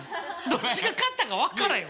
どっちが勝ったか分からん。